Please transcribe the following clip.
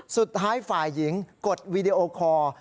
สุดท้ายฝ่ายหญิงกดวีดีโอคอร์